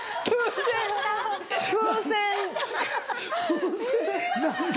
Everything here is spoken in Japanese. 風船何で？